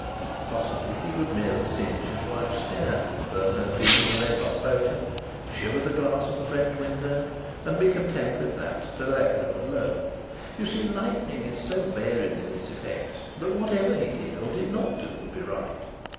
Possibly he would merely singe his wife's hair, burn her feet with a red hot poker, shiver the glass of the French window, and be content with that to let well alone. You see, lightning is so varied in its effects that whatever he did or did not do would be right.